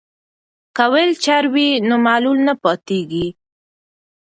که ویلچر وي نو معلول نه پاتیږي.